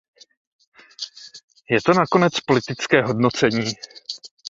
Je to nakonec politické hodnocení.